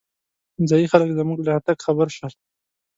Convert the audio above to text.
ځايي خلک زمونږ له راتګ خبر شول.